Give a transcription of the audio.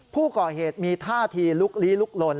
ผู้ก่อเหตุมีท่าทีลุกลี้ลุกลน